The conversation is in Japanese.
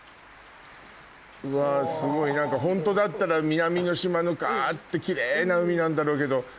うわすごいホントだったら南の島のガってキレイな海なんだろうけど。